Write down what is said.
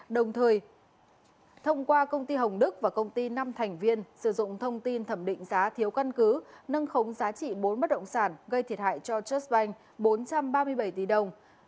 đồng thời thông qua công ty hồng đức và công ty năm thành viên sử dụng thông tin thẩm định giá thiếu căn cứ nâng khống giá trị bốn bất động sản gây thiệt hại cho chất banh bốn trăm ba mươi bảy tỷ đồng